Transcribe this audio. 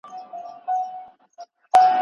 پلمې مه جوړوه جنګ ته مخ به څوک په مړونډ پټ کړي؟